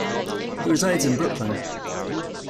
He resides in Brooklyn.